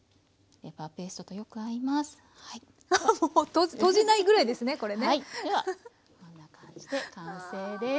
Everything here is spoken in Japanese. ではこんな感じで完成です。